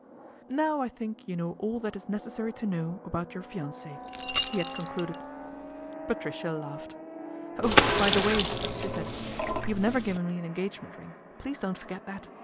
" Now I think you know all that is necessary to know about your fiance," he had concluded. Patricia laughed. " Oh, by the way," she said, " you have never given me an engagement ring. Please don't forget that.